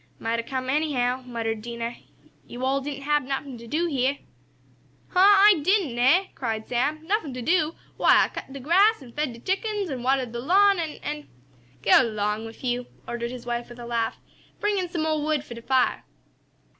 "Might a' come anyhow," muttered Dinah. "Yo' all didn't hab nuffin' t' do heah!" "Huh! I didn't, eh?" cried Sam. "Nuffin t' do! Why, I cut de grass, an' fed de chickens, an' watered de lawn, an' an' " "Go 'long wif yo'," ordered his wife with a laugh. "Bring in some mo' wood for de fire!"